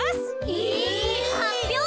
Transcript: えはっぴょう！